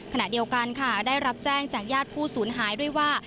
ขณะเดียวกันค่ะได้รับแจ้งจากญาติผู้สูญหายด้วยว่า